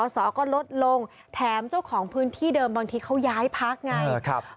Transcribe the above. สอก็ลดลงแถมเจ้าของพื้นที่เดิมบางทีเขาย้ายพักไง